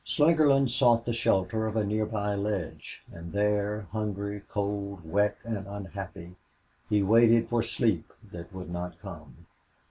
Slingerland sought the shelter of a near by ledge, and there, hungry, cold, wet, and unhappy, he waited for sleep that would not come.